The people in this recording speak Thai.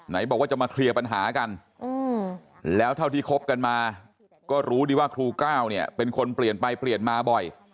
บอกว่าจะมาเคลียร์ปัญหากันแล้วเท่าที่คบกันมาก็รู้ดีว่าครูก้าวเนี่ยเป็นคนเปลี่ยนไปเปลี่ยนมาบ่อย